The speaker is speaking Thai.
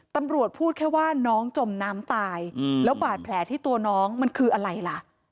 พูดแค่ว่าน้องจมน้ำตายแล้วบาดแผลที่ตัวน้องมันคืออะไรล่ะ